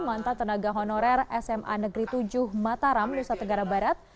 mantan tenaga honorer sma negeri tujuh mataram nusa tenggara barat